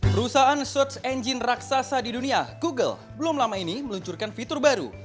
perusahaan search engine raksasa di dunia google belum lama ini meluncurkan fitur baru